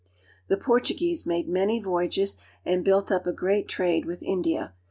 The Portuguese made many voyages and built up a great trade with India.